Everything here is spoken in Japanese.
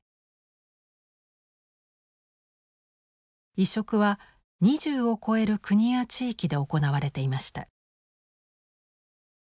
移植は２０を超える国や地域で行われていました。